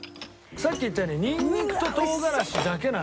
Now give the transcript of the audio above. さっき言ったようにニンニクと唐辛子だけなんですよ。